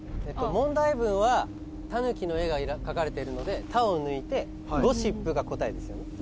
問題文はタヌキの絵が描かれているので「タ」を抜いてゴシップが答えですよね？